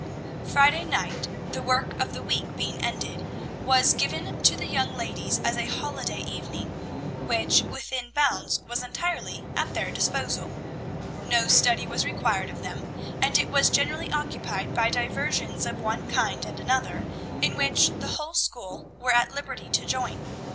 Friday night, the work of the week being ended, was given to the young ladies as a holiday evening, which, within bounds, was entirely at their disposal. No study was required of them, and it was generally occupied by diversions of one kind and another, in which the whole school were at liberty to join.